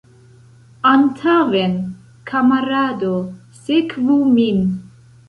Antaŭen, kamarado, sekvu min!